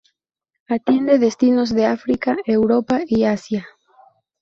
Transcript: Atiende destinos de África, Europa, y Asia.